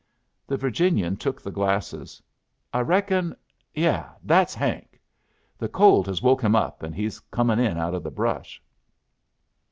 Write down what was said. The Virginian took the glasses. "I reckon yes, that's Hank. The cold has woke him up, and he's comin' in out o' the brush."